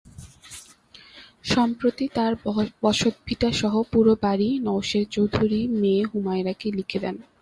সম্প্রতি তাঁর বসতভিটাসহ পুরো বাড়ি নওশের চৌধুরী মেয়ে হুমায়রাকে লিখে দেন।